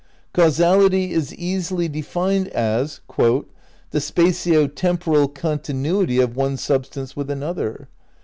Causality is easily defined as "the spatio temporal continuity of one substance with another."